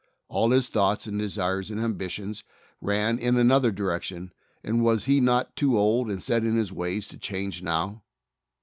All his thoughts and desires and ambitions ran in another direction, and was he not too old .ind set in his ways to change now?